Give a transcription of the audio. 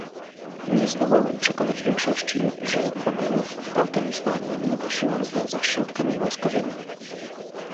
Nie zdołałem przekonać większości, że problemów w Afganistanie nie da się rozwiązać środkami wojskowymi